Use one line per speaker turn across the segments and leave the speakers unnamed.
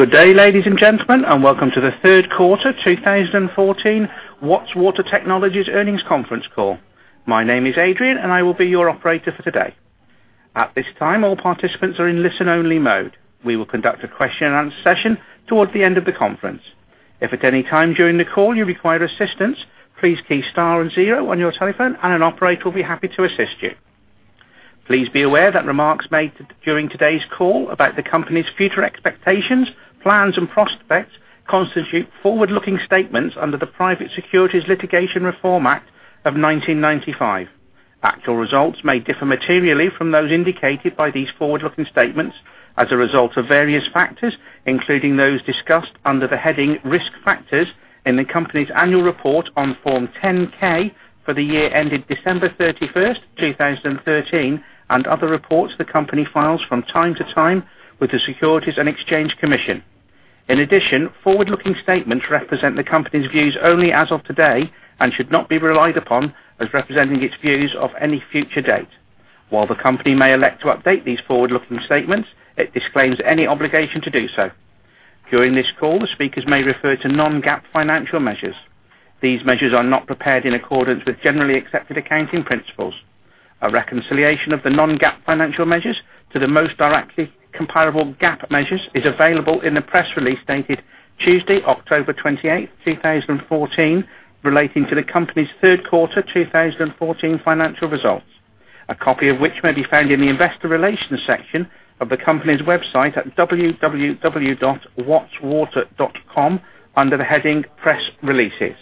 Good day, ladies and gentlemen, and welcome to the third quarter 2014 Watts Water Technologies Earnings Conference Call. My name is Adrian, and I will be your operator for today. At this time, all participants are in listen-only mode. We will conduct a question-and-answer session towards the end of the conference. If at any time during the call you require assistance, please key star and zero on your telephone, and an operator will be happy to assist you. Please be aware that remarks made during today's call about the company's future expectations, plans and prospects constitute forward-looking statements under the Private Securities Litigation Reform Act of 1995. Actual results may differ materially from those indicated by these forward-looking statements as a result of various factors, including those discussed under the heading Risk Factors in the company's annual report on Form 10-K for the year ended December 31, 2013, and other reports the company files from time to time with the Securities and Exchange Commission. In addition, forward-looking statements represent the company's views only as of today and should not be relied upon as representing its views of any future date. While the company may elect to update these forward-looking statements, it disclaims any obligation to do so. During this call, the speakers may refer to Non-GAAP financial measures. These measures are not prepared in accordance with generally accepted accounting principles. A reconciliation of the Non-GAAP financial measures to the most directly comparable GAAP measures is available in the press release dated Tuesday, October 28th, 2014, relating to the company's third quarter 2014 financial results, a copy of which may be found in the Investor Relations section of the company's website at www.wattswater.com, under the heading Press Releases.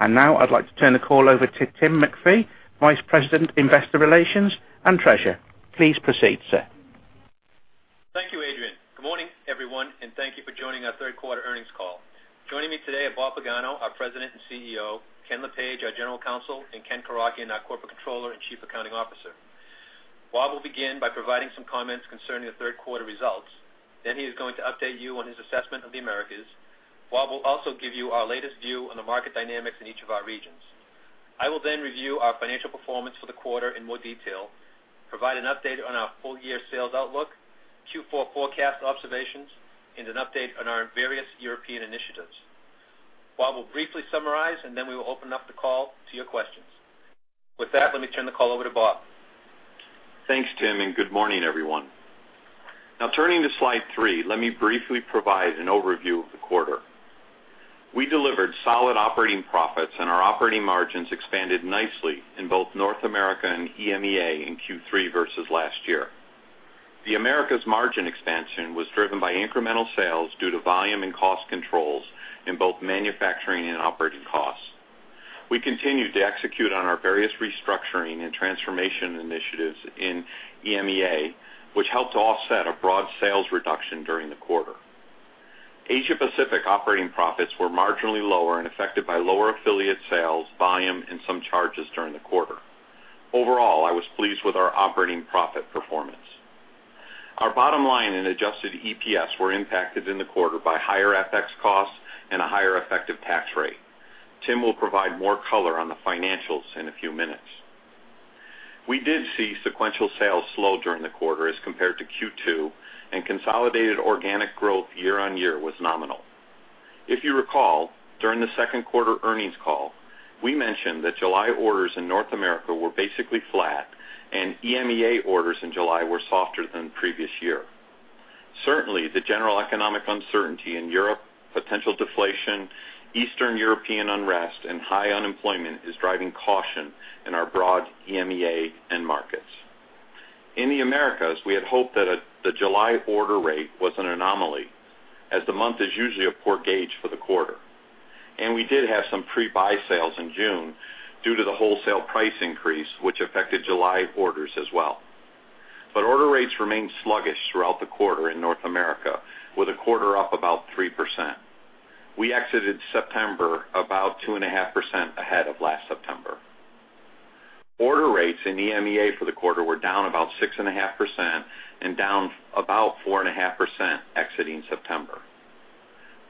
Now I'd like to turn the call over to Tim MacPhee, Vice President, Investor Relations and Treasurer. Please proceed, sir.
Thank you, Adrian. Good morning, everyone, and thank you for joining our third quarter earnings call. Joining me today are Bob Pagano, our President and CEO, Ken Lepage, our General Counsel, and Ken Koraka, our Corporate Controller and Chief Accounting Officer. Bob will begin by providing some comments concerning the third quarter results. Then he is going to update you on his assessment of the Americas. Bob will also give you our latest view on the market dynamics in each of our regions. I will then review our financial performance for the quarter in more detail, provide an update on our full year sales outlook, Q4 forecast observations, and an update on our various European initiatives. Bob will briefly summarize, and then we will open up the call to your questions. With that, let me turn the call over to Bob.
Thanks, Tim, and good morning, everyone. Now, turning to slide three, let me briefly provide an overview of the quarter. We delivered solid operating profits, and our operating margins expanded nicely in both North America and EMEA in Q3 versus last year. The Americas margin expansion was driven by incremental sales due to volume and cost controls in both manufacturing and operating costs. We continued to execute on our various restructuring and transformation initiatives in EMEA, which helped to offset a broad sales reduction during the quarter. Asia Pacific operating profits were marginally lower and affected by lower affiliate sales, volume, and some charges during the quarter. Overall, I was pleased with our operating profit performance. Our bottom line and adjusted EPS were impacted in the quarter by higher FX costs and a higher effective tax rate. Tim will provide more color on the financials in a few minutes. We did see sequential sales slow during the quarter as compared to Q2, and consolidated organic growth year-on-year was nominal. If you recall, during the second quarter earnings call, we mentioned that July orders in North America were basically flat, and EMEA orders in July were softer than the previous year. Certainly, the general economic uncertainty in Europe, potential deflation, Eastern European unrest, and high unemployment is driving caution in our broad EMEA end markets. In the Americas, we had hoped that the July order rate was an anomaly, as the month is usually a poor gauge for the quarter, and we did have some pre-buy sales in June due to the wholesale price increase, which affected July orders as well. But order rates remained sluggish throughout the quarter in North America, with a quarter up about 3%. We exited September about 2.5% ahead of last September. Order rates in EMEA for the quarter were down about 6.5% and down about 4.5% exiting September.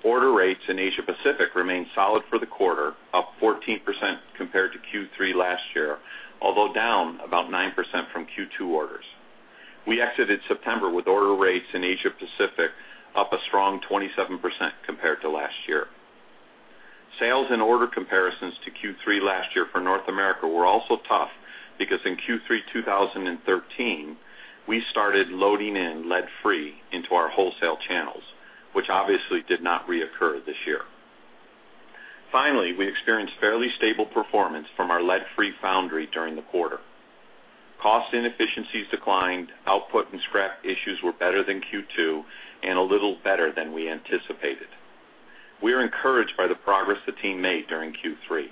Order rates in Asia Pacific remained solid for the quarter, up 14% compared to Q3 last year, although down about 9% from Q2 orders. We exited September with order rates in Asia Pacific up a strong 27% compared to last year. Sales and order comparisons to Q3 last year for North America were also tough because in Q3 2013, we started loading in lead-free into our wholesale channels, which obviously did not reoccur this year. Finally, we experienced fairly stable performance from our lead-free foundry during the quarter. Cost inefficiencies declined, output and scrap issues were better than Q2, and a little better than we anticipated. We are encouraged by the progress the team made during Q3.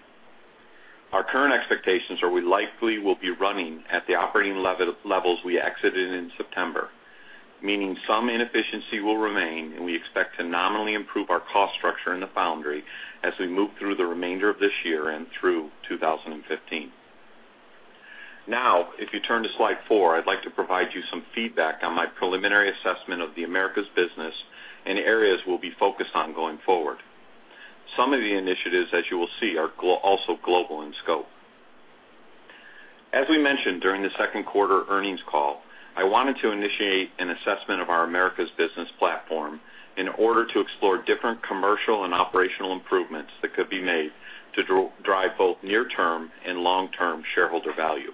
Our current expectations are we likely will be running at the operating levels we exited in September, meaning some inefficiency will remain, and we expect to nominally improve our cost structure in the foundry as we move through the remainder of this year and through 2015. Now, if you turn to slide 4, I'd like to provide you some feedback on my preliminary assessment of the Americas business and areas we'll be focused on going forward. Some of the initiatives, as you will see, are also global in scope.... As we mentioned during the second quarter earnings call, I wanted to initiate an assessment of our Americas business platform in order to explore different commercial and operational improvements that could be made to drive both near-term and long-term shareholder value.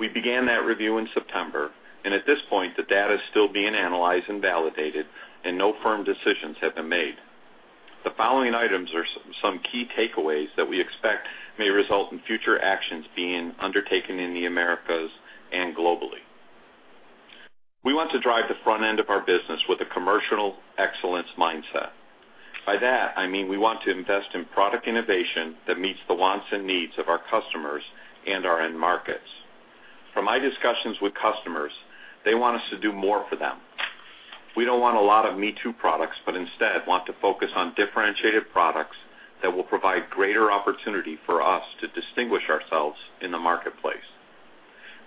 We began that review in September, and at this point, the data is still being analyzed and validated, and no firm decisions have been made. The following items are some key takeaways that we expect may result in future actions being undertaken in the Americas and globally. We want to drive the front end of our business with a commercial excellence mindset. By that, I mean, we want to invest in product innovation that meets the wants and needs of our customers and our end markets. From my discussions with customers, they want us to do more for them. We don't want a lot of me-too products, but instead want to focus on differentiated products that will provide greater opportunity for us to distinguish ourselves in the marketplace.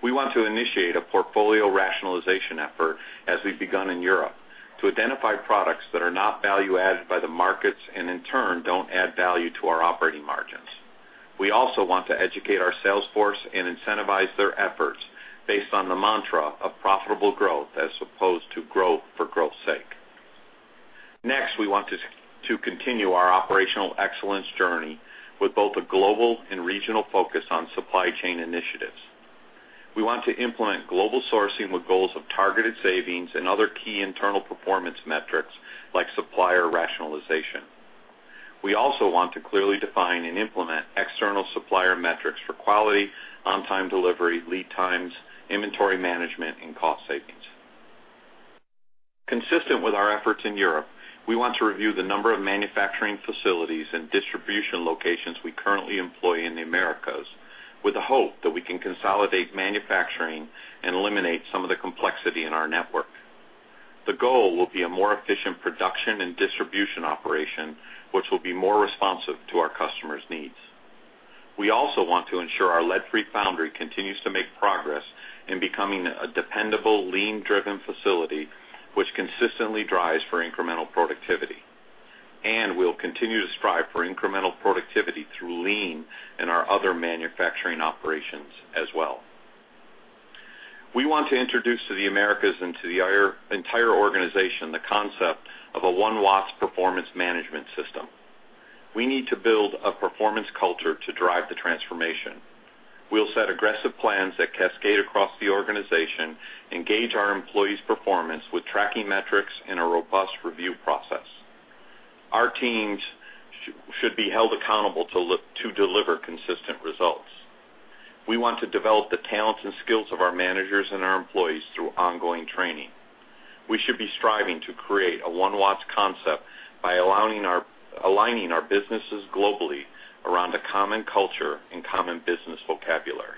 We want to initiate a portfolio rationalization effort, as we've begun in Europe, to identify products that are not value-added by the markets, and in turn, don't add value to our operating margins. We also want to educate our sales force and incentivize their efforts based on the mantra of profitable growth, as opposed to growth for growth's sake. Next, we want to continue our operational excellence journey with both a global and regional focus on supply chain initiatives. We want to implement global sourcing with goals of targeted savings and other key internal performance metrics, like supplier rationalization. We also want to clearly define and implement external supplier metrics for quality, on-time delivery, lead times, inventory management, and cost savings. Consistent with our efforts in Europe, we want to review the number of manufacturing facilities and distribution locations we currently employ in the Americas, with the hope that we can consolidate manufacturing and eliminate some of the complexity in our network. The goal will be a more efficient production and distribution operation, which will be more responsive to our customers' needs. We also want to ensure our lead-free foundry continues to make progress in becoming a dependable, lean, driven facility, which consistently drives for incremental productivity. And we'll continue to strive for incremental productivity through lean in our other manufacturing operations as well. We want to introduce to the Americas and to the entire organization, the concept of a One Watts performance management system. We need to build a performance culture to drive the transformation. We'll set aggressive plans that cascade across the organization, engage our employees' performance with tracking metrics and a robust review process. Our teams should be held accountable to deliver consistent results. We want to develop the talents and skills of our managers and our employees through ongoing training. We should be striving to create a One Watts concept by aligning our businesses globally around a common culture and common business vocabulary.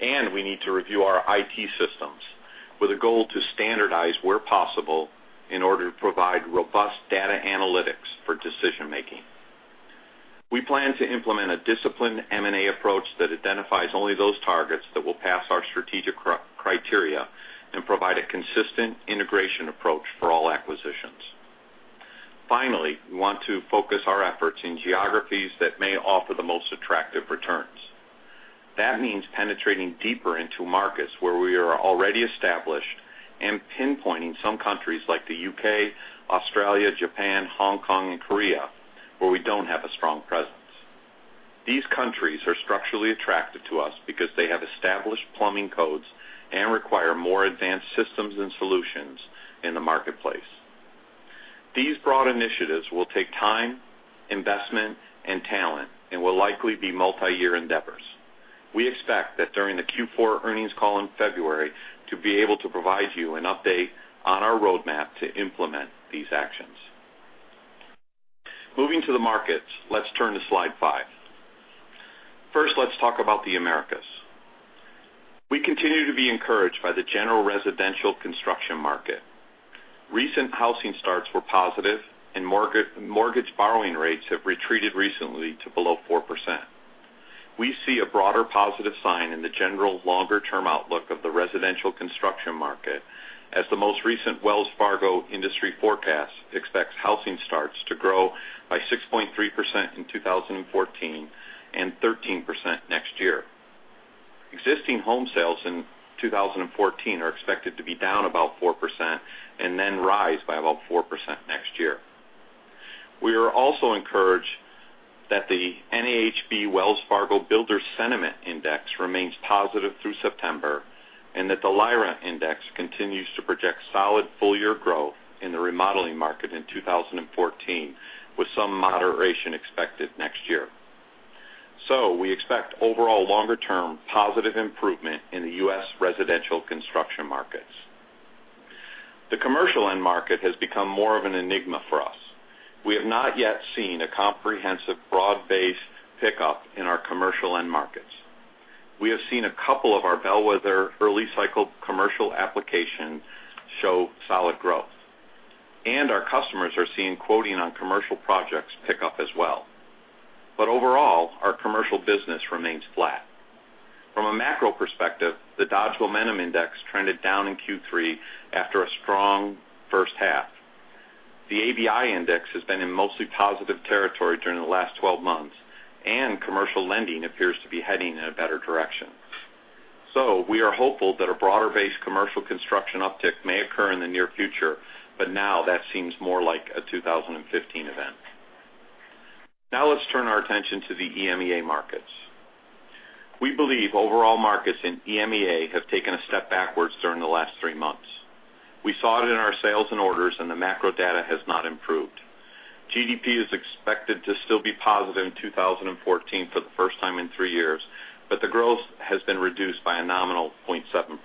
We need to review our IT systems with a goal to standardize where possible in order to provide robust data analytics for decision-making. We plan to implement a disciplined M&A approach that identifies only those targets that will pass our strategic criteria and provide a consistent integration approach for all acquisitions. Finally, we want to focus our efforts in geographies that may offer the most attractive returns. That means penetrating deeper into markets where we are already established and pinpointing some countries like the U.K., Australia, Japan, Hong Kong, and Korea, where we don't have a strong presence. These countries are structurally attractive to us because they have established plumbing codes and require more advanced systems and solutions in the marketplace. These broad initiatives will take time, investment, and talent, and will likely be multi-year endeavors. We expect that during the Q4 earnings call in February, to be able to provide you an update on our roadmap to implement these actions. Moving to the markets, let's turn to slide 5. First, let's talk about the Americas. We continue to be encouraged by the general residential construction market. Recent housing starts were positive, and mortgage borrowing rates have retreated recently to below 4%. We see a broader positive sign in the general longer-term outlook of the residential construction market, as the most recent Wells Fargo industry forecast expects housing starts to grow by 6.3% in 2014, and 13% next year. Existing home sales in 2014 are expected to be down about 4% and then rise by about 4% next year. We are also encouraged that the NAHB Wells Fargo Builder Sentiment Index remains positive through September, and that the LIRA Index continues to project solid full-year growth in the remodeling market in 2014, with some moderation expected next year. So we expect overall longer-term positive improvement in the US residential construction markets. The commercial end market has become more of an enigma for us. We have not yet seen a comprehensive, broad-based pickup in our commercial end markets. We have seen a couple of our bellwether early cycle commercial applications show solid growth, and our customers are seeing quoting on commercial projects pick up as well. But overall, our commercial business remains flat. From a macro perspective, the Dodge Momentum Index trended down in Q3 after a strong first half. The ABI index has been in mostly positive territory during the last 12 months, and commercial lending appears to be heading in a better direction. So we are hopeful that a broader-based commercial construction uptick may occur in the near future, but now that seems more like a 2015 event. Now let's turn our attention to the EMEA markets. We believe overall markets in EMEA have taken a step backwards during the last 3 months. We saw it in our sales and orders, and the macro data has not improved. GDP is expected to still be positive in 2014 for the first time in three years, but the growth has been reduced by a nominal 0.7%.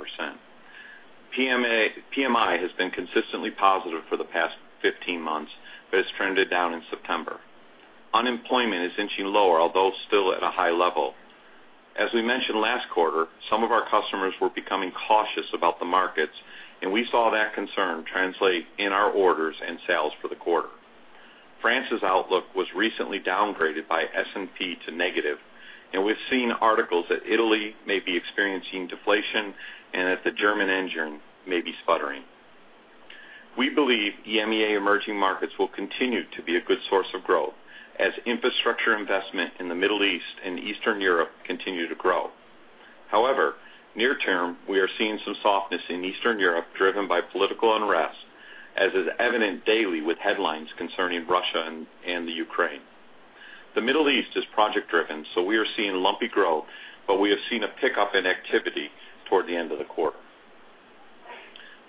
PMI has been consistently positive for the past 15 months, but it's trended down in September. Unemployment is inching lower, although still at a high level. As we mentioned last quarter, some of our customers were becoming cautious about the markets, and we saw that concern translate in our orders and sales for the quarter. France's outlook was recently downgraded by S&P to negative, and we've seen articles that Italy may be experiencing deflation and that the German engine may be sputtering. We believe EMEA emerging markets will continue to be a good source of growth as infrastructure investment in the Middle East and Eastern Europe continue to grow. However, near term, we are seeing some softness in Eastern Europe, driven by political unrest, as is evident daily with headlines concerning Russia and the raine. The Middle East is project-driven, so we are seeing lumpy growth, but we have seen a pickup in activity toward the end of the quarter.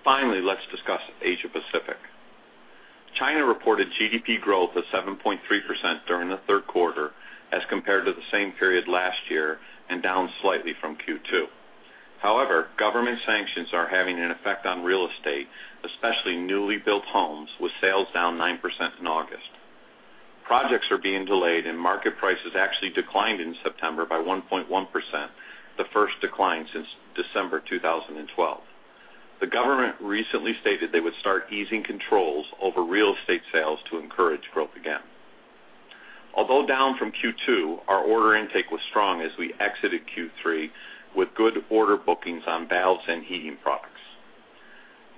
Finally, let's discuss Asia Pacific. China reported GDP growth of 7.3% during the third quarter as compared to the same period last year, and down slightly from Q2. However, government sanctions are having an effect on real estate, especially newly built homes, with sales down 9% in August. Projects are being delayed, and market prices actually declined in September by 1.1%, the first decline since December 2012. The government recently stated they would start easing controls over real estate sales to encourage growth again. Although down from Q2, our order intake was strong as we exited Q3, with good order bookings on valves and heating products.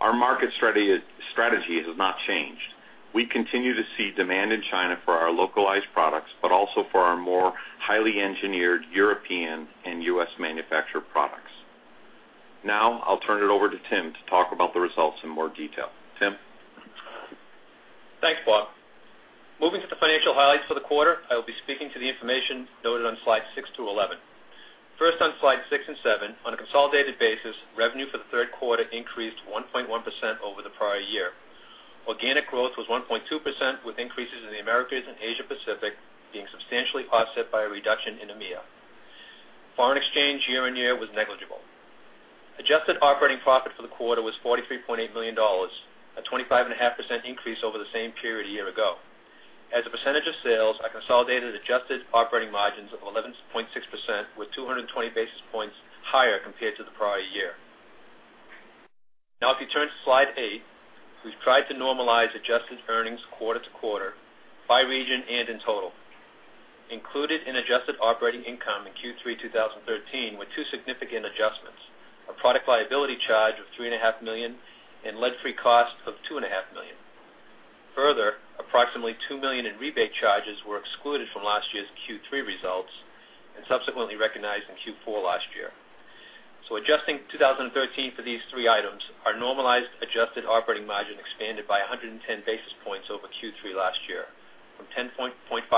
Our market strategy has not changed. We continue to see demand in China for our localized products, but also for our more highly engineered European and US-manufactured products. Now I'll turn it over to Tim to talk about the results in more detail. Tim?
Thanks, Bob. Moving to the financial highlights for the quarter, I will be speaking to the information noted on Slides 6-slides 11. First, on Slides 6 and slides 7, on a consolidated basis, revenue for the third quarter increased 1.1% over the prior year. Organic growth was 1.2%, with increases in the Americas and Asia Pacific being substantially offset by a reduction in EMEA. Foreign exchange year-on-year was negligible. Adjusted operating profit for the quarter was $43.8 million, a 25.5% increase over the same period a year ago. As a percentage of sales, our consolidated adjusted operating margins of 11.6% were 220 basis points higher compared to the prior year. Now, if you turn to Slide 8, we've tried to normalize adjusted earnings quarter to quarter by region and in total. Included in adjusted operating income in Q3 2013 were two significant adjustments: a product liability charge of $3.5 million and lead-free costs of $2.5 million. Further, approximately $2 million in rebate charges were excluded from last year's Q3 results and subsequently recognized in Q4 last year. So adjusting 2013 for these three items, our normalized adjusted operating margin expanded by 110 basis points over Q3 last year, from 10.5%-11.6%.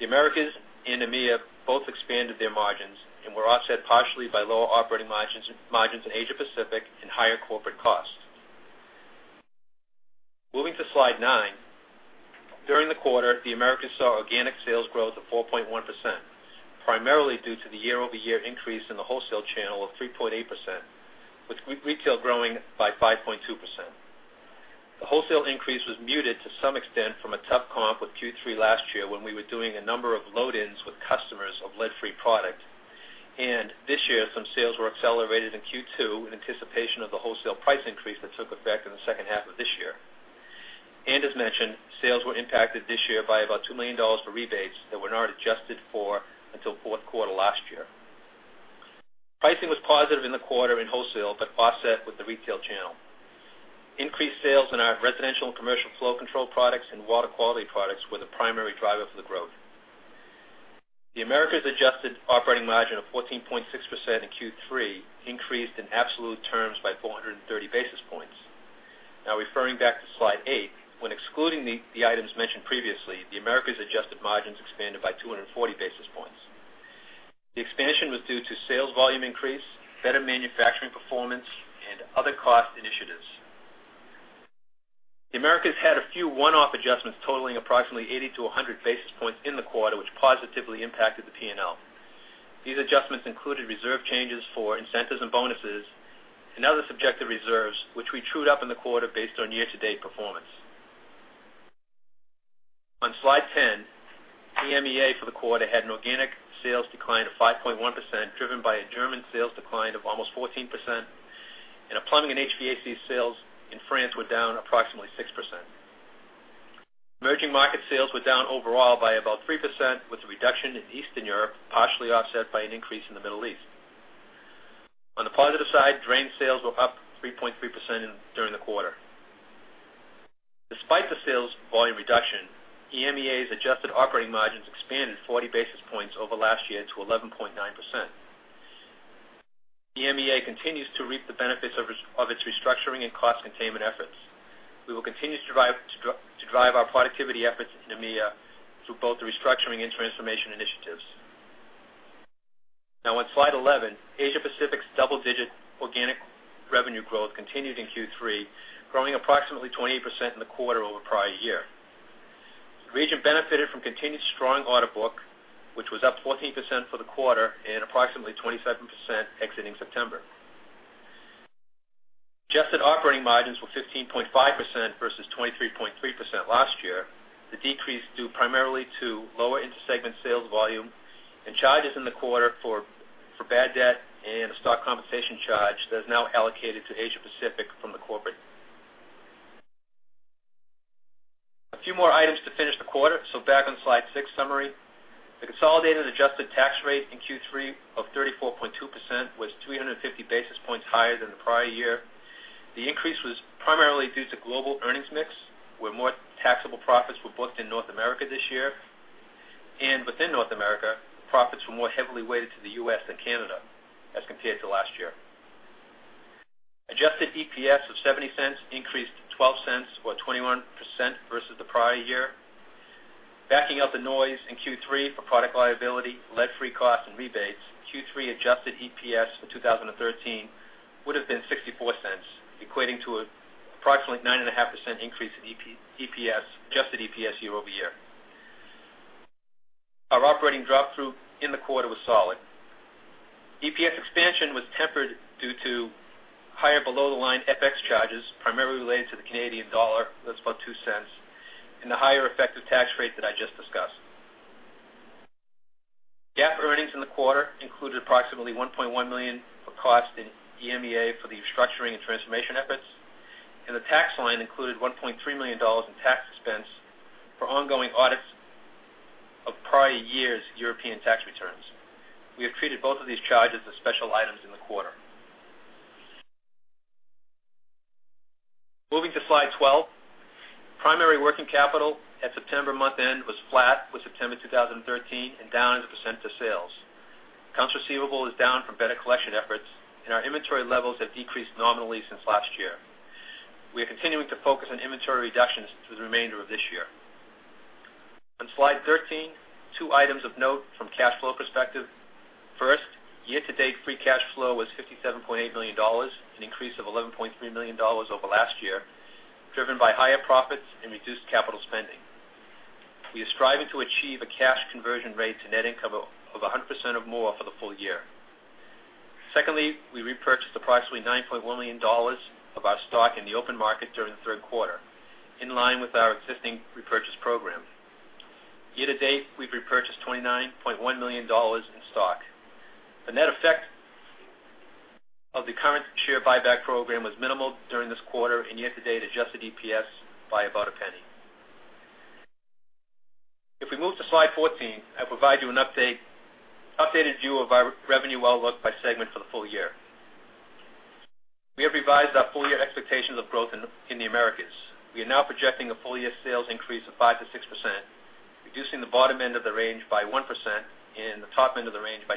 The Americas and EMEA both expanded their margins and were offset partially by lower operating margins, margins in Asia Pacific and higher corporate costs. Moving to Slide 9. During the quarter, the Americas saw organic sales growth of 4.1%, primarily due to the year-over-year increase in the wholesale channel of 3.8%, with retail growing by 5.2%. The wholesale increase was muted to some extent from a tough comp with Q3 last year, when we were doing a number of load-ins with customers of lead-free product. This year, some sales were accelerated in Q2 in anticipation of the wholesale price increase that took effect in the second half of this year. As mentioned, sales were impacted this year by about $2 million for rebates that were not adjusted for until fourth quarter last year. Pricing was positive in the quarter in wholesale, but offset with the retail channel. Increased sales in our residential and commercial flow control products and water quality products were the primary driver for the growth. The Americas adjusted operating margin of 14.6% in Q3 increased in absolute terms by 430 basis points. Now, referring back to Slide 8, when excluding the items mentioned previously, the Americas adjusted margins expanded by 240 basis points. The expansion was due to sales volume increase, better manufacturing performance, and other cost initiatives. The Americas had a few one-off adjustments, totaling approximately 80 basis points-100 basis points in the quarter, which positively impacted the P&L. These adjustments included reserve changes for incentives and bonuses and other subjective reserves, which we trued up in the quarter based on year-to-date performance. On Slide 10, EMEA for the quarter had an organic sales decline of 5.1%, driven by a German sales decline of almost 14%, and a plumbing and HVAC sales in France were down approximately 6%.... Emerging market sales were down overall by about 3%, with a reduction in Eastern Europe, partially offset by an increase in the Middle East. On the positive side, drain sales were up 3.3% during the quarter. Despite the sales volume reduction, EMEA's adjusted operating margins expanded 40 basis points over last year to 11.9%. EMEA continues to reap the benefits of its restructuring and cost containment efforts. We will continue to drive our productivity efforts in EMEA through both the restructuring and transformation initiatives. Now on slide 11, Asia Pacific's double-digit organic revenue growth continued in Q3, growing approximately 28% in the quarter over prior year. The region benefited from continued strong order book, which was up 14% for the quarter and approximately 27% exiting September. Adjusted operating margins were 15.5% versus 23.3% last year, the decrease due primarily to lower inter-segment sales volume and charges in the quarter for bad debt and a stock compensation charge that is now allocated to Asia Pacific from the corporate. A few more items to finish the quarter. So back on slide 6 summary. The consolidated adjusted tax rate in Q3 of 34.2% was 350 basis points higher than the prior year. The increase was primarily due to global earnings mix, where more taxable profits were booked in North America this year. Within North America, profits were more heavily weighted to the US than Canada as compared to last year. Adjusted EPS of $0.70 increased $0.12 or 21% versus the prior year. Backing out the noise in Q3 for product liability, lead-free costs and rebates, Q3 adjusted EPS in 2013 would have been $0.64, equating to approximately 9.5% increase in EPS, adjusted EPS year-over-year. Our operating drop-through in the quarter was solid. EPS expansion was tempered due to higher below-the-line FX charges, primarily related to the Canadian dollar. That's about $0.02, and the higher effective tax rate that I just discussed. GAAP earnings in the quarter included approximately $1.1 million for cost in EMEA for the restructuring and transformation efforts, and the tax line included $1.3 million in tax expense for ongoing audits of prior years' European tax returns. We have treated both of these charges as special items in the quarter. Moving to slide 12. Primary working capital at September month end was flat with September 2013, and down as a % of sales. Accounts receivable is down from better collection efforts, and our inventory levels have decreased nominally since last year. We are continuing to focus on inventory reductions through the remainder of this year. On slide 13, 2 items of note from cash flow perspective. First, year-to-date free cash flow was $57.8 million, an increase of $11.3 million over last year, driven by higher profits and reduced capital spending. We are striving to achieve a cash conversion rate to net income of 100% or more for the full year. Secondly, we repurchased approximately $9.1 million of our stock in the open market during the third quarter, in line with our existing repurchase program. Year to date, we've repurchased $29.1 million in stock. The net effect of the current share buyback program was minimal during this quarter and year to date, adjusted EPS by about a penny. If we move to slide 14, I'll provide you an update, updated view of our revenue outlook by segment for the full year. We have revised our full year expectations of growth in the Americas. We are now projecting a full year sales increase of 5%-6%, reducing the bottom end of the range by 1% and the top end of the range by 2%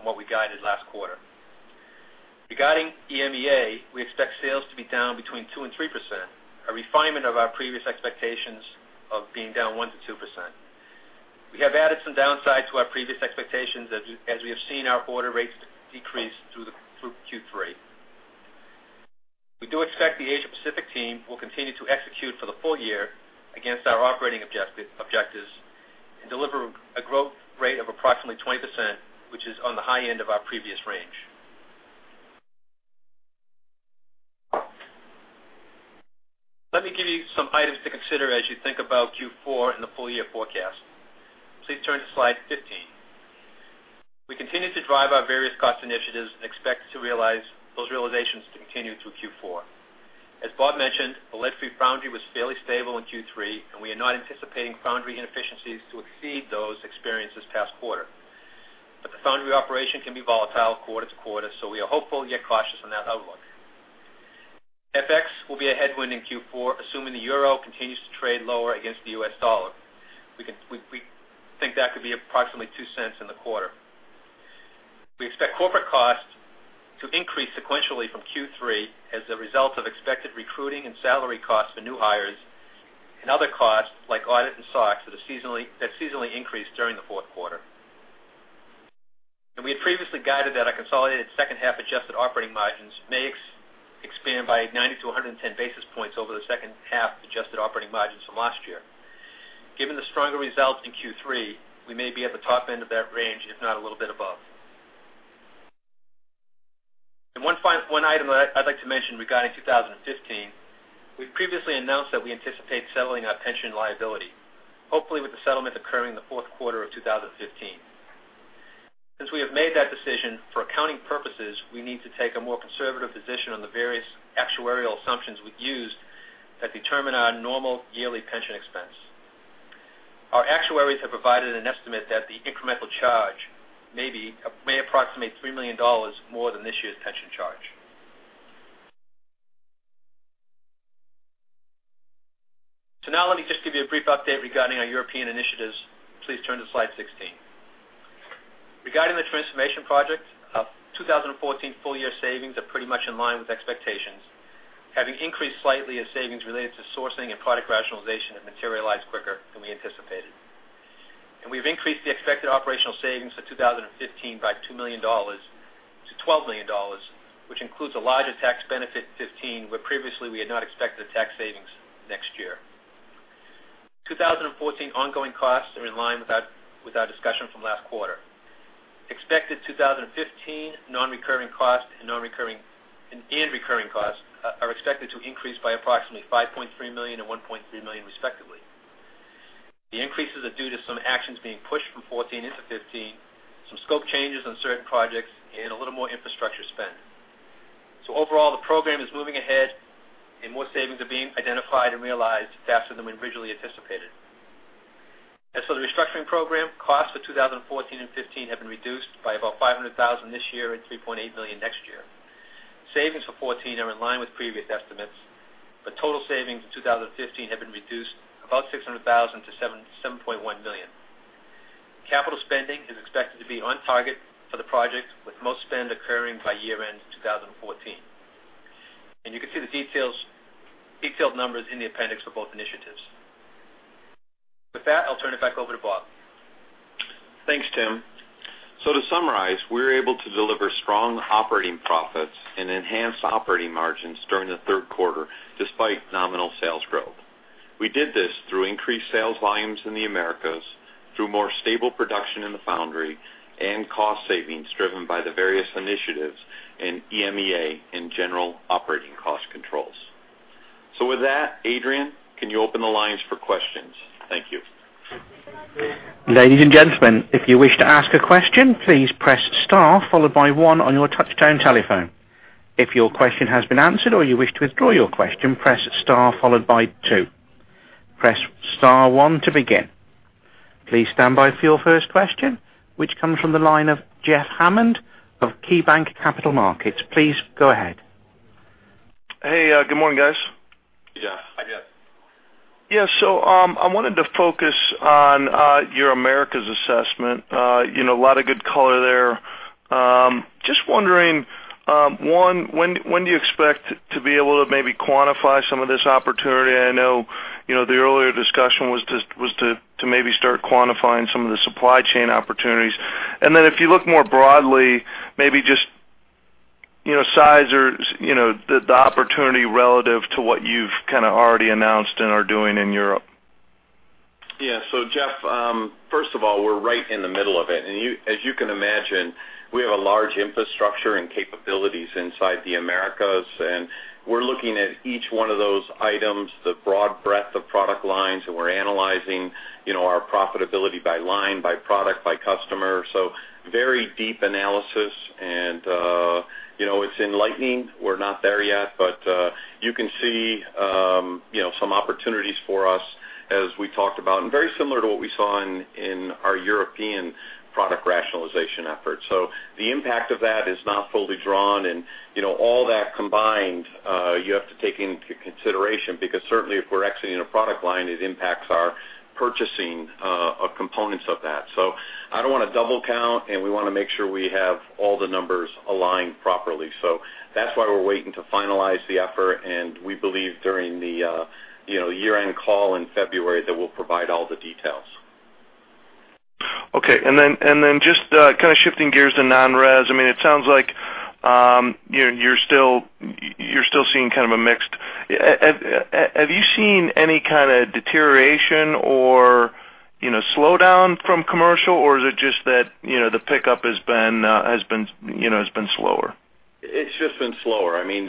from what we guided last quarter. Regarding EMEA, we expect sales to be down between 2% and 3%, a refinement of our previous expectations of being down 1%-2%. We have added some downside to our previous expectations as we have seen our order rates decrease through Q3. We do expect the Asia Pacific team will continue to execute for the full year against our operating objectives and deliver a growth rate of approximately 20%, which is on the high end of our previous range. Let me give you some items to consider as you think about Q4 and the full year forecast. Please turn to slide 15. We continue to drive our various cost initiatives and expect to realize those realizations to continue through Q4. As Bob mentioned, the lead-free foundry was fairly stable in Q3, and we are not anticipating foundry inefficiencies to exceed those experienced this past quarter. But the foundry operation can be volatile quarter to quarter, so we are hopeful yet cautious on that outlook. FX will be a headwind in Q4, assuming the euro continues to trade lower against the US dollar. We can, we, we think that could be approximately $0.02 in the quarter. We expect corporate costs to increase sequentially from Q3 as a result of expected recruiting and salary costs for new hires and other costs, like audit and SOX, that seasonally increase during the fourth quarter. And we had previously guided that our consolidated second half adjusted operating margins may expand by 90-110 basis points over the second half adjusted operating margins from last year. Given the stronger results in Q3, we may be at the top end of that range, if not a little bit above. One item that I'd like to mention regarding 2015, we've previously announced that we anticipate settling our pension liability, hopefully with the settlement occurring in the fourth quarter of 2015. Since we have made that decision, for accounting purposes, we need to take a more conservative position on the various actuarial assumptions we've used that determine our normal yearly pension expense. Our actuaries have provided an estimate that the incremental charge may be, may approximate $3 million more than this year's pension charge. So now let me just give you a brief update regarding our European initiatives. Please turn to slide 16. Regarding the transformation project, our 2014 full-year savings are pretty much in line with expectations, having increased slightly as savings related to sourcing and product rationalization have materialized quicker than we anticipated. We've increased the expected operational savings for 2015 by $2 million-$12 million, which includes a larger tax benefit in 2015, where previously we had not expected a tax savings next year. 2014 ongoing costs are in line with our discussion from last quarter. Expected 2015 nonrecurring costs and recurring costs are expected to increase by approximately $5.3 million and $1.3 million, respectively. The increases are due to some actions being pushed from 2014 into 2015, some scope changes on certain projects, and a little more infrastructure spend. So overall, the program is moving ahead, and more savings are being identified and realized faster than we originally anticipated. As for the restructuring program, costs for 2014 and 2015 have been reduced by about $500,000 this year and $3.8 million next year. Savings for 2014 are in line with previous estimates, but total savings in 2015 have been reduced about $600,000-$7.1 million. Capital spending is expected to be on target for the project, with most spend occurring by year-end 2014. You can see the details, detailed numbers in the appendix for both initiatives. With that, I'll turn it back over to Bob.
Thanks, Tim. To summarize, we were able to deliver strong operating profits and enhance operating margins during the third quarter despite nominal sales growth. We did this through increased sales volumes in the Americas, through more stable production in the Foundry, and cost savings driven by the various initiatives in EMEA and general operating cost controls. With that, Adrian, can you open the lines for questions? Thank you.
Ladies and gentlemen, if you wish to ask a question, please press star followed by one on your touchtone telephone. If your question has been answered or you wish to withdraw your question, press star followed by two. Press star one to begin. Please stand by for your first question, which comes from the line of Jeff Hammond of KeyBanc Capital Markets. Please go ahead.
Hey, good morning, guys.
Yeah. Hi, Jeff.
Yeah, so, I wanted to focus on your Americas assessment. You know, a lot of good color there. Just wondering, one, when do you expect to be able to maybe quantify some of this opportunity? I know, you know, the earlier discussion was to maybe start quantifying some of the supply chain opportunities. And then if you look more broadly, maybe just, you know, size or, you know, the opportunity relative to what you've kind of already announced and are doing in Europe.
Yeah. So Jeff, first of all, we're right in the middle of it. And as you can imagine, we have a large infrastructure and capabilities inside the Americas, and we're looking at each one of those items, the broad breadth of product lines, and we're analyzing, you know, our profitability by line, by product, by customer. So very deep analysis, and, you know, it's enlightening. We're not there yet, but you can see, you know, some opportunities for us as we talked about, and very similar to what we saw in our European product rationalization efforts. So the impact of that is not fully drawn. And, you know, all that combined, you have to take into consideration, because certainly if we're exiting a product line, it impacts our purchasing of components of that. So I don't wanna double count, and we wanna make sure we have all the numbers aligned properly. So that's why we're waiting to finalize the effort, and we believe during the, you know, year-end call in February, that we'll provide all the details.
Okay. And then, and then just kind of shifting gears to non-res, I mean, it sounds like you're still seeing kind of a mixed... Have you seen any kind of deterioration or, you know, slowdown from commercial, or is it just that, you know, the pickup has been, you know, slower?
It's just been slower. I mean,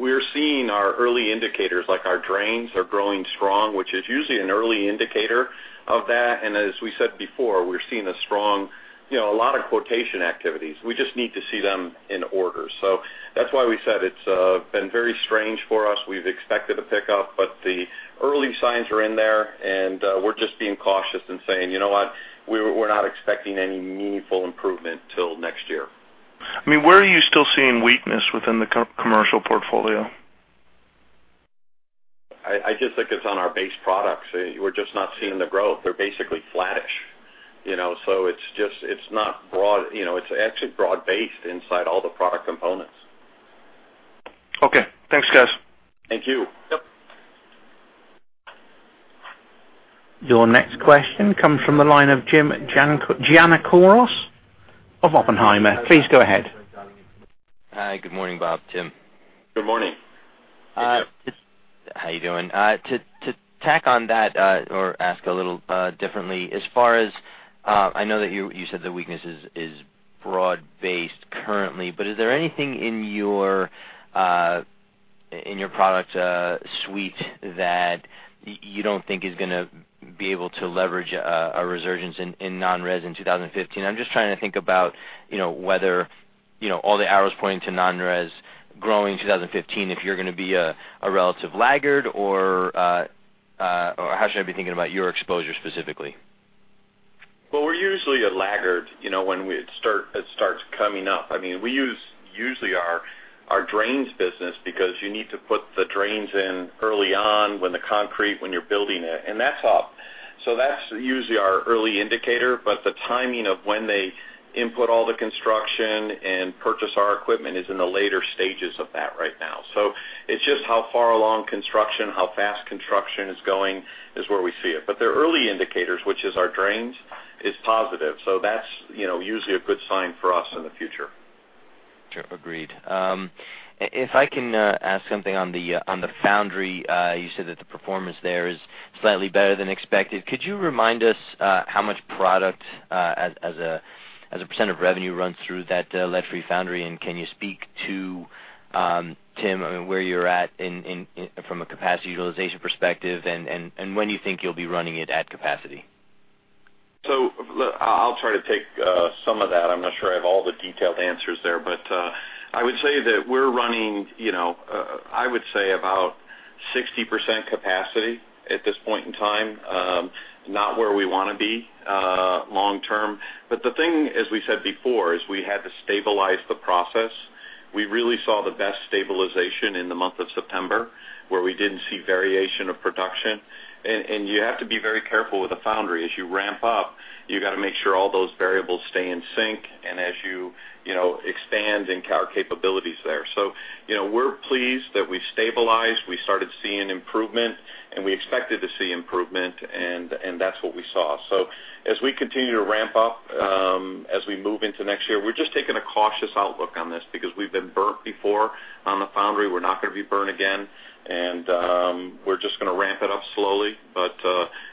we're seeing our early indicators, like our drains, are growing strong, which is usually an early indicator of that. And as we said before, we're seeing a strong, you know, a lot of quotation activities. We just need to see them in orders. So that's why we said it's been very strange for us. We've expected a pickup, but the early signs are in there, and we're just being cautious and saying: You know what? We're not expecting any meaningful improvement till next year.
I mean, where are you still seeing weakness within the commercial portfolio?
I just think it's on our base products. We're just not seeing the growth. They're basically flatish, you know, so it's just, it's not broad, you know, it's actually broad-based inside all the product components.
Okay. Thanks, guys.
Thank you.
Yep. Your next question comes from the line of Jim Giannakouros of Oppenheimer. Please go ahead.
Hi, good morning, Bob, Tim.
Good morning.
How you doing? To tack on that, or ask a little differently, as far as I know that you said the weakness is broad-based currently, but is there anything in your product suite that you don't think is gonna be able to leverage a resurgence in non-res in 2015? I'm just trying to think about, you know, whether, you know, all the arrows pointing to non-res growing in 2015, if you're gonna be a relative laggard, or how should I be thinking about your exposure specifically?
Well, we're usually a laggard, you know, when we start—it starts coming up. I mean, we use usually our, our drains business because you need to put the drains in early on when the concrete, when you're building it, and that's up. So that's usually our early indicator, but the timing of when they input all the construction and purchase our equipment is in the later stages of that right now. So it's just how far along construction, how fast construction is going is where we see it. But the early indicators, which is our drains, is positive, so that's, you know, usually a good sign for us in the future.
Sure. Agreed. If I can ask something on the foundry. You said that the performance there is slightly better than expected. Could you remind us how much product as a percent of revenue runs through that lead-free foundry? And can you speak to Tim, where you're at from a capacity utilization perspective, and when you think you'll be running it at capacity?
So look, I'll try to take some of that. I'm not sure I have all the detailed answers there, but I would say that we're running, you know, I would say about 60% capacity at this point in time. Not where we wanna be long term. But the thing, as we said before, is we had to stabilize the process. We really saw the best stabilization in the month of September, where we didn't see variation of production. And you have to be very careful with the foundry. As you ramp up, you gotta make sure all those variables stay in sync, and as you, you know, expand and count capabilities there. So, you know, we're pleased that we've stabilized. We started seeing improvement, and we expected to see improvement, and that's what we saw. So as we continue to ramp up, as we move into next year, we're just taking a cautious outlook on this because we've been burnt before on the foundry. We're not gonna be burnt again, and, we're just gonna ramp it up slowly. But,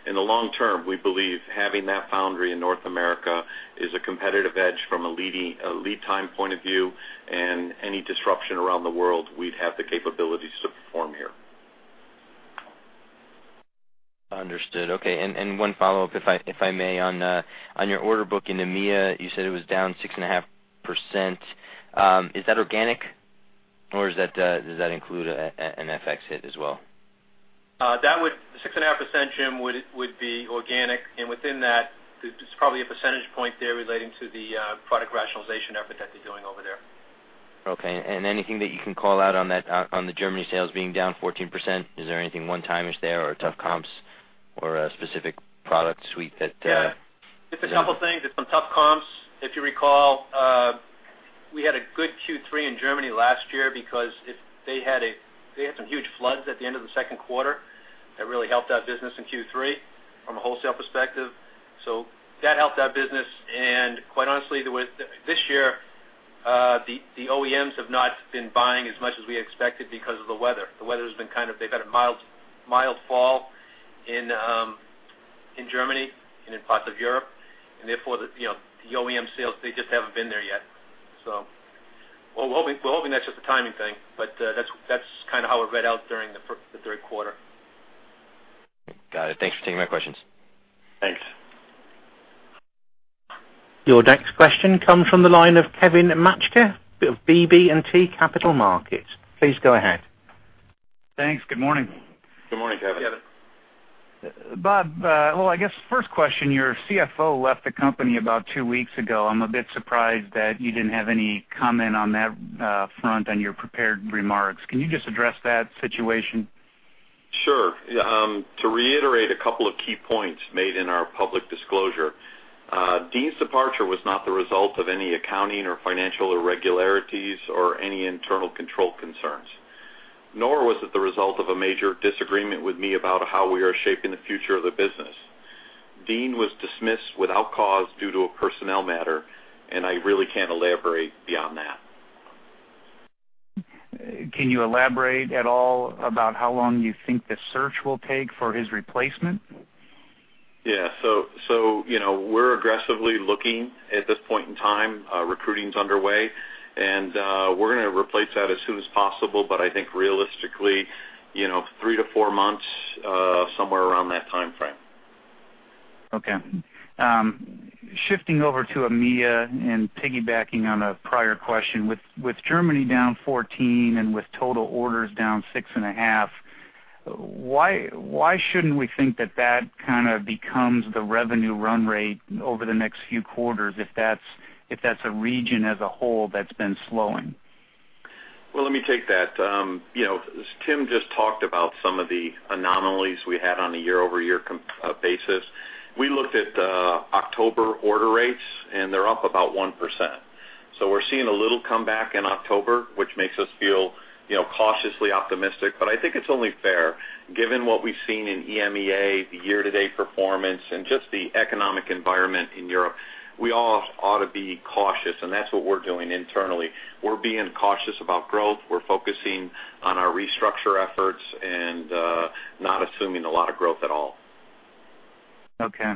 in the long term, we believe having that foundry in North America is a competitive edge from a lead time point of view, and any disruption around the world, we'd have the capabilities to perform here.
Understood. Okay, and one follow-up, if I may, on your order book in EMEA, you said it was down 6.5%. Is that organic, or does that include an FX hit as well?
That would 6.5%, Jim, would be organic, and within that, there's probably a percentage point there relating to the product rationalization effort that they're doing over there.
Okay, and anything that you can call out on that, on the Germany sales being down 14%? Is there anything one-timish there, or tough comps, or a specific product suite that,
Yeah, just a couple things. It's some tough comps. If you recall, we had a good Q3 in Germany last year because they had some huge floods at the end of the second quarter that really helped our business in Q3 from a wholesale perspective. So that helped our business, and quite honestly, this year, the OEMs have not been buying as much as we expected because of the weather. The weather has been kind of, they've had a mild, mild fall in Germany and in parts of Europe, and therefore, you know, the OEM sales, they just haven't been there yet. So we're hoping, we're hoping that's just a timing thing, but, that's kind of how it read out during the third quarter.
Got it. Thanks for taking my questions.
Thanks.
Your next question comes from the line of Kevin Maczka of BB&T Capital Markets. Please go ahead.
Thanks. Good morning.
Good morning, Kevin.
Kevin.
Bob, well, I guess first question, your CFO left the company about two weeks ago. I'm a bit surprised that you didn't have any comment on that front on your prepared remarks. Can you just address that situation?
Sure. To reiterate a couple of key points made in our public disclosure, Dean's departure was not the result of any accounting or financial irregularities or any internal control concerns, nor was it the result of a major disagreement with me about how we are shaping the future of the business. Dean was dismissed without cause due to a personnel matter, and I really can't elaborate beyond that.
Can you elaborate at all about how long you think the search will take for his replacement?
Yeah. So, you know, we're aggressively looking at this point in time. Recruiting's underway, and we're gonna replace that as soon as possible, but I think realistically, you know, three to four months, somewhere around that timeframe.
Okay. Shifting over to EMEA and piggybacking on a prior question. With, with Germany down 14% and with total orders down 6.5%, why, why shouldn't we think that that kind of becomes the revenue run rate over the next few quarters if that's, if that's a region as a whole that's been slowing?
Well, let me take that. You know, as Tim just talked about some of the anomalies we had on a year-over-year comp basis. We looked at October order rates, and they're up about 1%. So we're seeing a little comeback in October, which makes us feel, you know, cautiously optimistic. But I think it's only fair, given what we've seen in EMEA, the year-to-date performance, and just the economic environment in Europe, we all ought to be cautious, and that's what we're doing internally. We're being cautious about growth. We're focusing on our restructure efforts and not assuming a lot of growth at all....
Okay.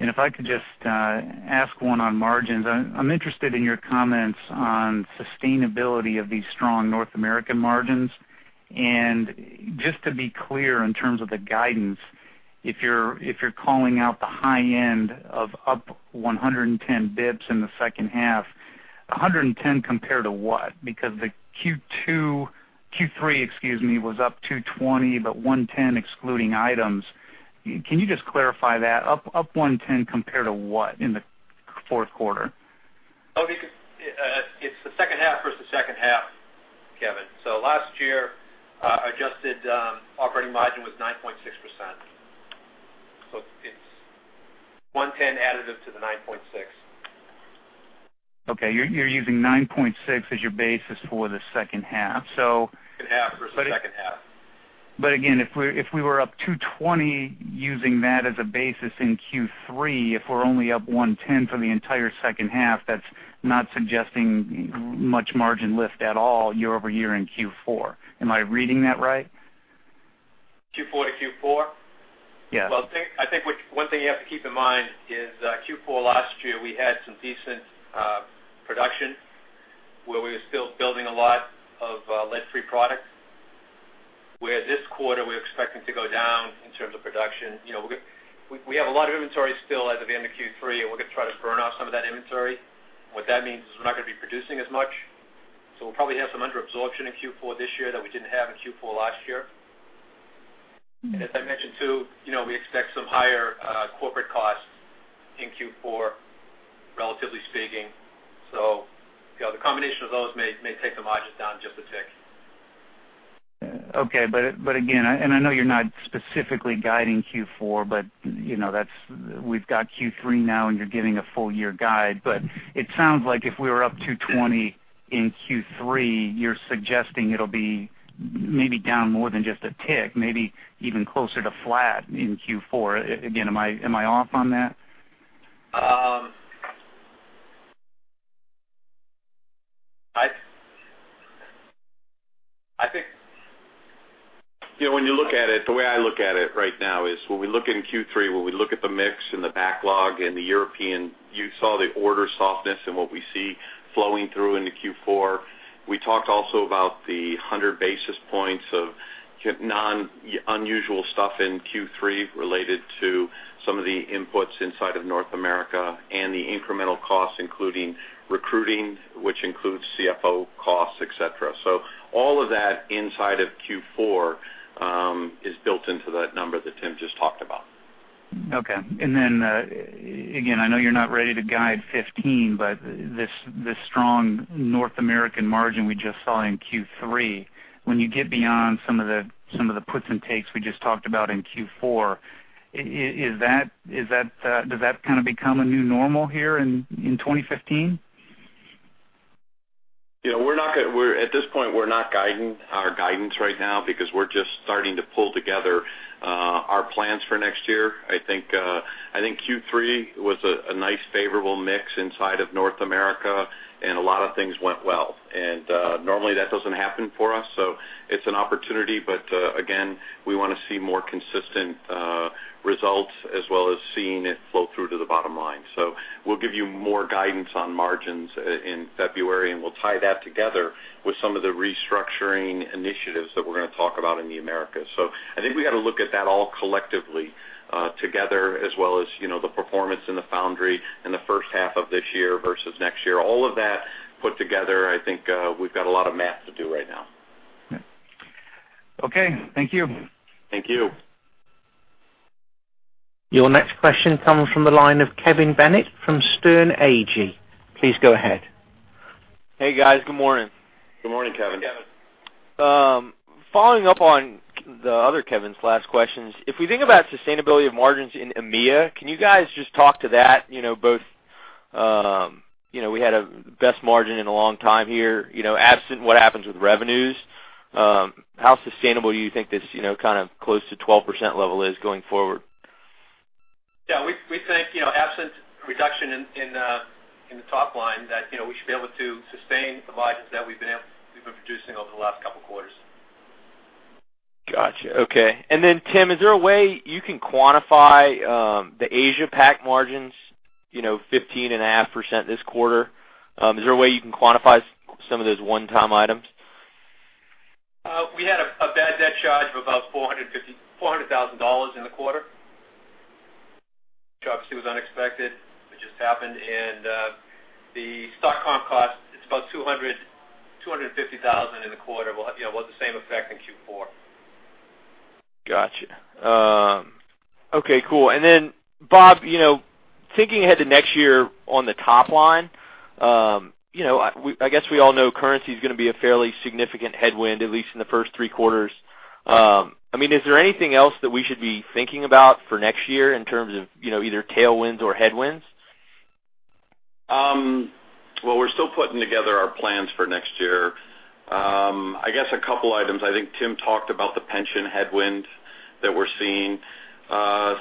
And if I could just ask one on margins. I'm interested in your comments on sustainability of these strong North American margins. And just to be clear, in terms of the guidance, if you're calling out the high end of up 110 basis points in the second half, 110 compared to what? Because the Q2, Q3—excuse me—was up 220, but 110 excluding items. Can you just clarify that? Up 110 compared to what in the fourth quarter?
Oh, because it's the second half versus the second half, Kevin. So last year, adjusted operating margin was 9.6%. So it's 110 additive to the 9.6.
Okay, you're using 9.6 as your basis for the second half. So-
Second half versus second half.
But again, if we, if we were up 220, using that as a basis in Q3, if we're only up 110 for the entire second half, that's not suggesting much margin lift at all year-over-year in Q4. Am I reading that right?
Q4 to Q4?
Yes.
Well, I think one thing you have to keep in mind is Q4 last year, we had some decent production where we were still building a lot of lead-free products, where this quarter, we're expecting to go down in terms of production. You know, we have a lot of inventory still at the end of Q3, and we're going to try to burn off some of that inventory. What that means is we're not going to be producing as much, so we'll probably have some underabsorption in Q4 this year that we didn't have in Q4 last year.
Mm-hmm.
And as I mentioned, too, you know, we expect some higher corporate costs in Q4, relatively speaking. So the combination of those may take the margins down just a tick.
Okay. But again, and I know you're not specifically guiding Q4, but, you know, that's—we've got Q3 now, and you're giving a full year guide. But it sounds like if we were up 220 in Q3, you're suggesting it'll be maybe down more than just a tick, maybe even closer to flat in Q4. Again, am I off on that?
I think-
You know, when you look at it, the way I look at it right now is when we look in Q3, when we look at the mix and the backlog in the European, you saw the order softness and what we see flowing through into Q4. We talked also about the 100 basis points of non-unusual stuff in Q3 related to some of the inputs inside of North America and the incremental costs, including recruiting, which includes CFO costs, et cetera. So all of that inside of Q4 is built into that number that Tim just talked about.
Okay. And then, again, I know you're not ready to guide 15, but this, this strong North American margin we just saw in Q3, when you get beyond some of the, some of the puts and takes we just talked about in Q4, is that, is that, does that kind of become a new normal here in, in 2015?
You know, we're not guiding our guidance right now because we're just starting to pull together our plans for next year. I think I think Q3 was a nice favorable mix inside of North America, and a lot of things went well. And normally, that doesn't happen for us, so it's an opportunity. But again, we want to see more consistent results as well as seeing it flow through to the bottom line. So we'll give you more guidance on margins in February, and we'll tie that together with some of the restructuring initiatives that we're going to talk about in the Americas. So I think we got to look at that all collectively together, as well as, you know, the performance in the foundry in the first half of this year versus next year. All of that put together, I think, we've got a lot of math to do right now.
Okay. Thank you.
Thank you.
Your next question comes from the line of Kevin Bennett from Sterne Agee. Please go ahead.
Hey, guys. Good morning.
Good morning, Kevin.
Good morning, Kevin.
Following up on the other Kevin's last questions, if we think about sustainability of margins in EMEA, can you guys just talk to that? You know, both, you know, we had a best margin in a long time here. You know, absent what happens with revenues, how sustainable do you think this, you know, kind of close to 12% level is going forward?
Yeah, we think, you know, absent reduction in the top line, that, you know, we should be able to sustain the margins that we've been producing over the last couple of quarters.
Gotcha. Okay. And then, Tim, is there a way you can quantify the Asia Pac margins? You know, 15.5% this quarter. Is there a way you can quantify some of those one-time items?
We had a bad debt charge of about $400,000 in the quarter, which obviously was unexpected. It just happened. The stock comp cost, it's about $250,000 in the quarter. We'll have, you know, we'll have the same effect in Q4.
Gotcha. Okay, cool. And then, Bob, you know, thinking ahead to next year on the top line, you know, I, we-- I guess we all know currency is going to be a fairly significant headwind, at least in the first three quarters. I mean, is there anything else that we should be thinking about for next year in terms of, you know, either tailwinds or headwinds?
Well, we're still putting together our plans for next year. I guess a couple of items. I think Tim talked about the pension headwind that we're seeing.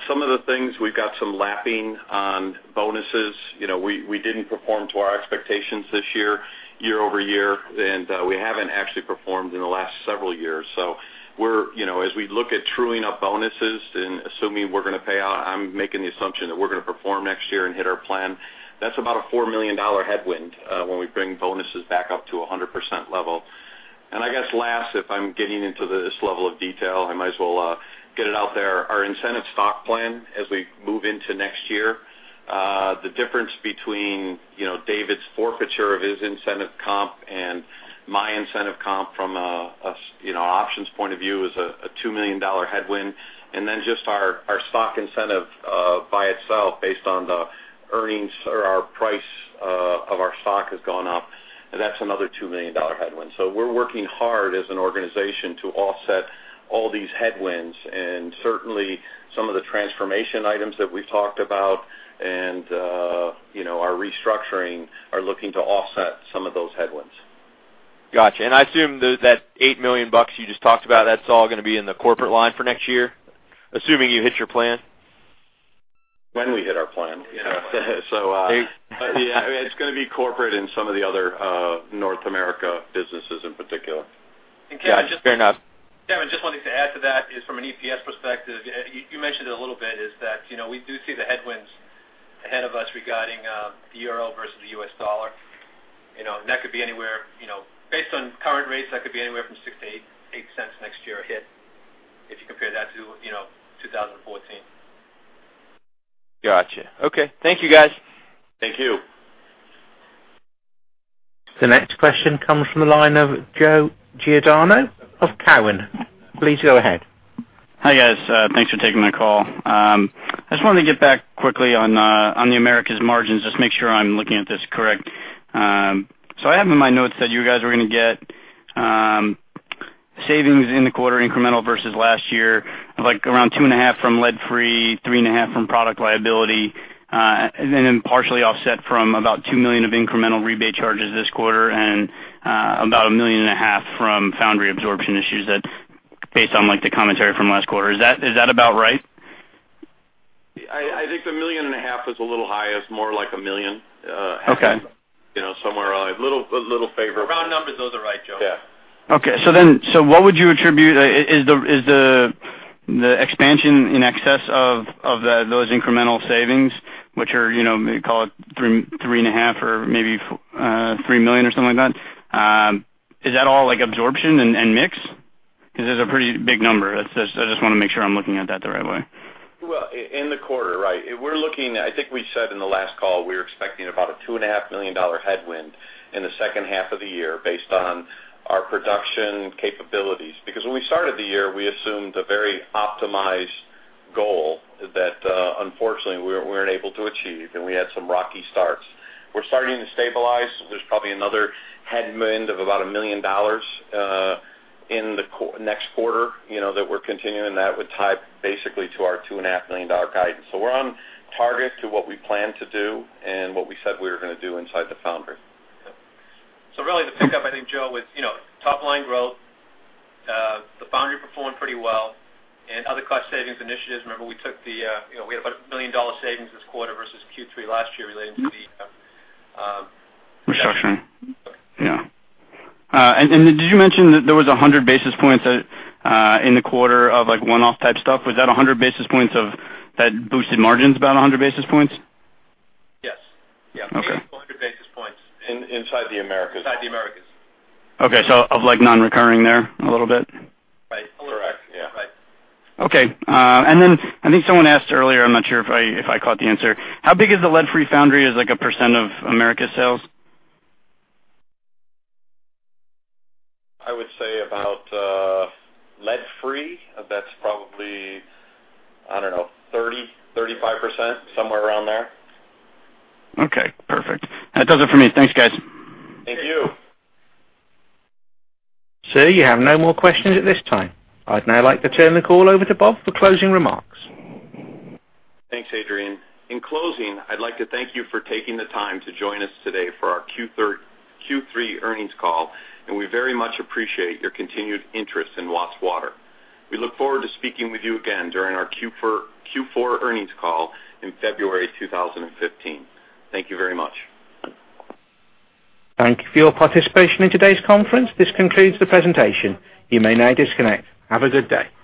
Some of the things, we've got some low mapping on bonuses. You know, we didn't perform to our expectations this year, year-over-year, and we haven't actually performed in the last several years. So we're you know, as we look at truing up bonuses and assuming we're gonna pay out, I'm making the assumption that we're gonna perform next year and hit our plan. That's about a $4 million headwind when we bring bonuses back up to a 100% level. I guess last, if I'm getting into this level of detail, I might as well get it out there. Our incentive stock plan, as we move into next year, the difference between, you know, David's forfeiture of his incentive comp and my incentive comp from a you know options point of view is a $2 million headwind. And then just our stock incentive by itself, based on the earnings or our price of our stock has gone up, and that's another $2 million headwind. So we're working hard as an organization to offset all these headwinds. And certainly, some of the transformation items that we've talked about and you know our restructuring are looking to offset some of those headwinds.
Gotcha. I assume that that $8 million you just talked about, that's all gonna be in the corporate line for next year, assuming you hit your plan?
When we hit our plan, yeah. So,
Eight.
Yeah, it's gonna be corporate and some of the other, North America businesses in particular.
Yeah, fair enough.
Kevin, just wanted to add to that. From an EPS perspective, you mentioned it a little bit. You know, we do see the headwinds ahead of us regarding the euro versus the US dollar. You know, and that could be anywhere. Based on current rates, that could be anywhere from $0.06-$0.08 next year hit, if you compare that to 2014.
Gotcha. Okay. Thank you, guys.
Thank you.
The next question comes from the line of Joe Giordano of Cowen. Please go ahead.
Hi, guys, thanks for taking my call. I just wanted to get back quickly on, on the Americas margins, just make sure I'm looking at this correct. So I have in my notes that you guys were gonna get, savings in the quarter incremental versus last year, like around $2.5 million from lead-free, $3.5 million from product liability, and then partially offset from about $2 million of incremental rebate charges this quarter and, about $1.5 million from foundry absorption issues. That's based on, like, the commentary from last quarter. Is that, is that about right?
I think the $1.5 million is a little high. It's more like a $1 million.
Okay.
You know, somewhere around a little favor-
Round numbers, those are right, Joe.
Yeah.
Okay. So what would you attribute? Is the expansion in excess of those incremental savings, which are, you know, call it $3 million, $3.5 million or maybe $3 million or something like that, all like absorption and mix? Because there's a pretty big number. That's just... I just wanna make sure I'm looking at that the right way.
Well, in the quarter, right, we're looking, I think we said in the last call, we were expecting about a $2.5 million headwind in the second half of the year based on our production capabilities. Because when we started the year, we assumed a very optimized goal that, unfortunately, we, we weren't able to achieve, and we had some rocky starts. We're starting to stabilize. There's probably another headwind of about $1 million in the next quarter, you know, that we're continuing, and that would tie basically to our $2.5 million guidance. So we're on target to what we plan to do and what we said we were gonna do inside the foundry.
So really, the pickup, I think, Joe, with, you know, top line growth, the foundry performed pretty well and other cost savings initiatives. Remember, we took the, you know, we had about $1 million savings this quarter versus Q3 last year related to the-
Restructuring.
Yeah.
Yeah. And did you mention that there was 100 basis points in the quarter of, like, one-off type stuff? Was that 100 basis points of... That boosted margins about 100 basis points?
Yes. Yeah.
Okay.
100 basis points.
Inside the Americas.
Inside the Americas.
Okay, so of, like, non-recurring there a little bit?
Right.
Correct. Yeah.
Right.
Okay. And then I think someone asked earlier, I'm not sure if I, if I caught the answer. How big is the lead-free foundry as, like, a % of Americas' sales?
I would say about lead-free, that's probably, I don't know, 30%-35%, somewhere around there.
Okay, perfect. That does it for me. Thanks, guys.
Thank you.
Sir, you have no more questions at this time. I'd now like to turn the call over to Bob for closing remarks.
Thanks, Adrian. In closing, I'd like to thank you for taking the time to join us today for our Q3 earnings call, and we very much appreciate your continued interest in Watts Water. We look forward to speaking with you again during our Q4 earnings call in February 2015. Thank you very much.
Thank you for your participation in today's conference. This concludes the presentation. You may now disconnect. Have a good day.